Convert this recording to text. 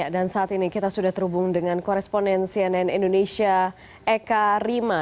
saat ini kita sudah terhubung dengan koresponen cnn indonesia eka rima